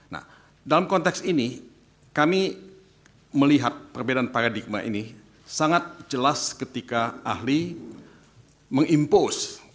nah dalam konteks ini kami melihat perbedaan paradigma ini sangat jelas ketika ahli mengimpose